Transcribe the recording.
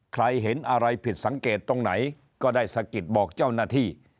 ใครเห็นอะไรผิดสังเกตตรงไหนก็ได้สะกิดบอกเจ้าหน้าที่